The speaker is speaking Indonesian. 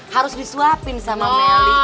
harus disuapin sama meli